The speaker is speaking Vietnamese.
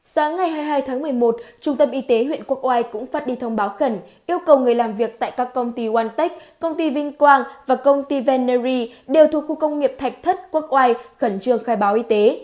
sáng ngày hai mươi hai tháng một mươi một trung tâm y tế huyện quốc oai cũng phát đi thông báo khẩn yêu cầu người làm việc tại các công ty oantech công ty vinh quang và công ty veney đều thuộc khu công nghiệp thạch thất quốc oai khẩn trương khai báo y tế